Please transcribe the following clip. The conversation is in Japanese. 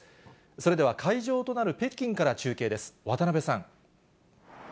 それでは会場となる北京から中継です。